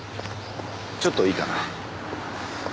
ちょっといいかな。